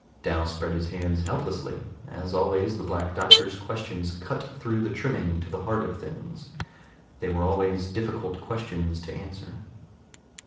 Dal spread his hands helplessly. As always, the Black Doctor's questions cut through the trimming to the heart of things. They were always difficult questions to answer.